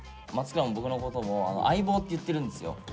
松倉も僕のことを「相棒」って言ってるんですよ。